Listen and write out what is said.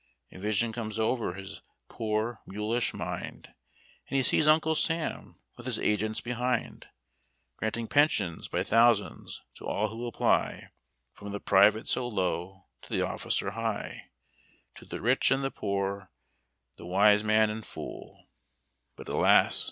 A vision comes over his poor mulish mind, And he sees Uncle Sam, with his agents behind, Granting pensions by thousands to all who apply, From the private so low to the officer high; To the rich and the poor, the wise man and fool, But, alas!